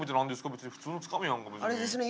別に普通のつかみやんか別に。